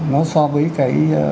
nó so với cái